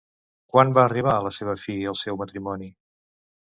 Quan va arribar a la seva fi, el seu matrimoni?